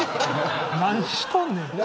何しとんねん。